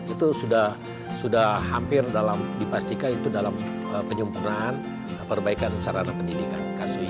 itu sudah hampir dipastikan itu dalam penyumburan perbaikan sarana pendidikan